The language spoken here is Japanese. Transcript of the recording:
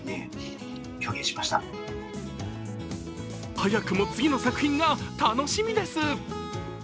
早くも次の作品が楽しみです。